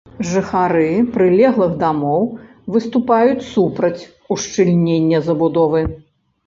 Жыхары прылеглых дамоў выступаюць супраць ушчыльнення забудовы.